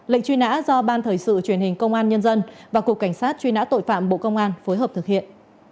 lệnh truy nã do ban thời sự truyền hình công an nhân dân và cục cảnh sát truy nã tội phạm bộ công an phối hợp thực hiện